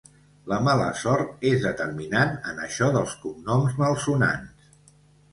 La mala sort és determinant en això dels cognoms malsonants.